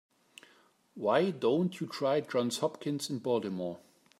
Why don't you try Johns Hopkins in Baltimore?